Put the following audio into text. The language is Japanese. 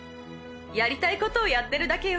やりたいことをやってるだけよ！